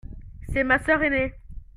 C'est ma sœur ainée.